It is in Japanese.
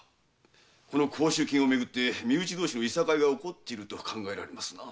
この甲州金をめぐって身内同士のいさかいが起こっていると考えられますな。